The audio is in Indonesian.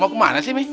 mau kemana sih mi